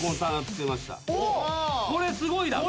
これすごいだろ。